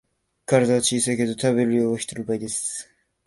体は小さいけど食べる量は人の倍です